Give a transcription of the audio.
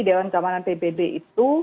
dewan keamanan pbb itu